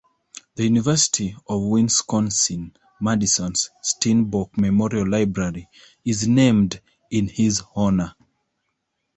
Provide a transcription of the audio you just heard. The University of Wisconsin-Madison's Steenbock Memorial Library is named in his honor.